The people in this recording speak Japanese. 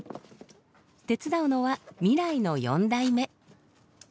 手伝うのは未来の４代目。